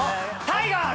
タイガー！